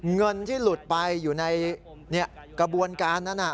เงินที่หลุดไปอยู่ในกระบวนการนั้น